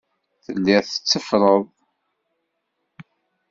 Telliḍ tetteffreḍ.